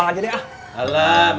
nanti kita ke sana